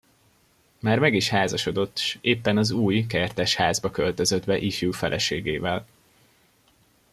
Már meg is házasodott, s éppen az új, kertes házba költözött be ifjú feleségével.